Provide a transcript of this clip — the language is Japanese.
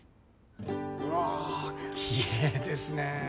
うわきれいですね。